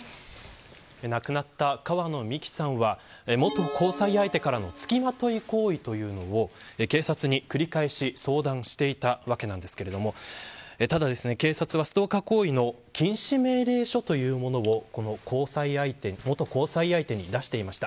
亡くなった、川野美樹さんは元交際相手からの付きまとい行為というのを警察に繰り返し相談していたわけなんですけどもただ、警察はストーカー行為の禁止命令書というものをこの元交際相手に出していました。